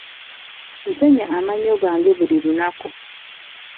Nsenya amannyo gange buli lunaku.